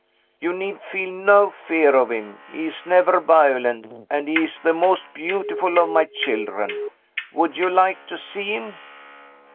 You need feel no fear of him. He is never violent and he is the most beautiful of my children. Would you like to see him?"